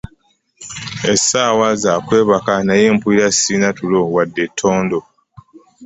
Esaawa za kwebaka naye mpulira sirina tulo wadde ettondo.